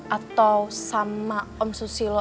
atau sama om susilo